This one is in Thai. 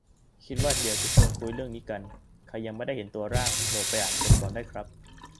คิดว่าเดี๋ยวจะชวนคุยเรื่องนี้กัน ใครยังไม่ได้เห็นตัวร่าง โหลดไปอ่านกันก่อนได้ครับ